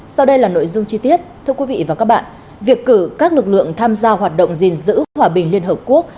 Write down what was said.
sau đây là nội dung chi tiết thưa quý vị và các bạn việc cử các lực lượng tham gia hoạt động gìn giữ hòa bình liên hợp quốc